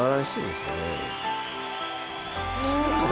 すごい！